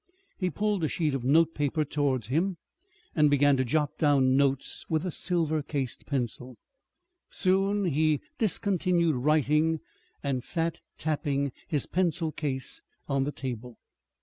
He pulled a sheet of note paper towards him and began to jot down notes with a silver cased pencil. Soon he discontinued writing and sat tapping his pencil case on the table.